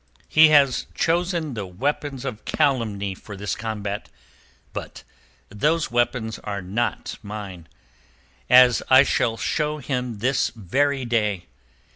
He has chosen the weapons of calumny for this combat, but those weapons are not mine, as I shall show him this very day.